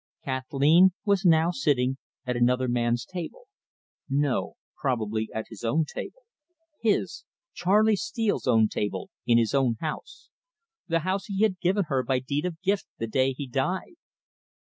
Kathleen was now sitting at another man's table no, probably at his own table his, Charley Steele's own table in his own house the house he had given her by deed of gift the day he died.